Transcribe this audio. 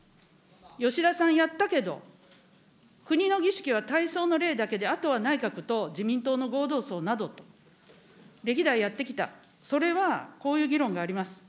吉田さんやったけど、国の儀式は大喪の礼だけで、あとは内閣と自民党の合同葬などと、歴代やってきた、それは、こういう議論があります。